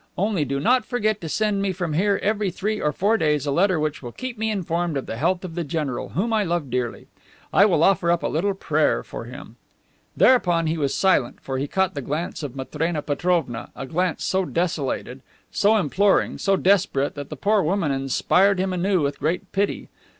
Only do not forget to send me from here every three or four days a letter which will keep me informed of the health of the general, whom I love dearly. I will offer up a little prayer for him." Thereupon he was silent, for he caught the glance of Matrena Petrovna, a glance so desolated, so imploring, so desperate, that the poor woman inspired him anew with great pity.